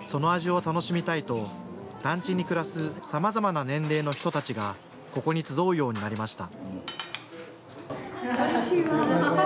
その味を楽しみたいと団地に暮らすさまざまな年齢の人たちがここに集うようになりました。